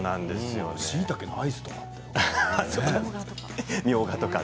しいたけのアイスとか。